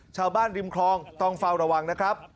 ชาวบ้านริมคลองต้องเฝ้าระวังนะครับ